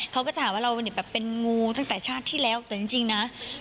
เขาก็จะหาว่าเราเป็นงูตั้งแต่ชาติที่แล้วแต่จริงนะ